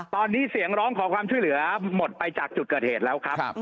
ตอนนี้เสียงร้องขอความช่วยเหลือหมดไปจากจุดเกิดเหตุแล้วครับ